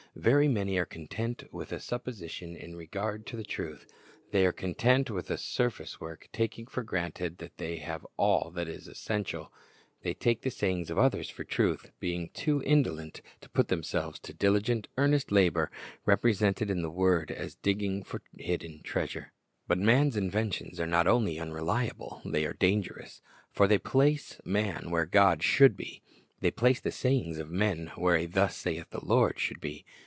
Very many are content with a supposition in regard to the truth. They are content with a surface work, taking for granted that they have all that is essential. They take the sayings of others for truth, being too indolent to put 1 10 Christ's Object Lessons themselves to diligent, earnest labor, represented in the word as digging for hidden treasure. But man's inventions are not only unreliable, they are dangerous; for they place man where God should be. They place the sayings of men where a "Thus saith the Lord" should be.